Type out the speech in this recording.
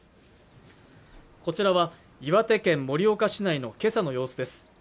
こちらは岩手県盛岡市内の今朝の様子です